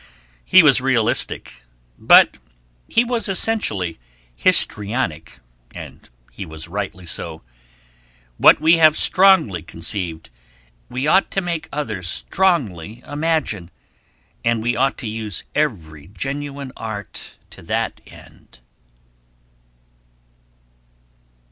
He was realistic, but he was essentially histrionic, and he was rightly so. What we have strongly conceived we ought to make others strongly imagine, and we ought to use every genuine art to that end.